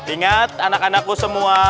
ingat anak anakku semua